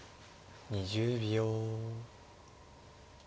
２０秒。